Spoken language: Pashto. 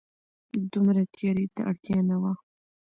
دومره تياري ته اړتيا نه وه